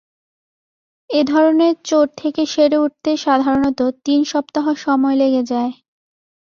এ ধরনের চোট থেকে সেরে উঠতে সাধারণত তিন সপ্তাহ সময় লেগে যায়।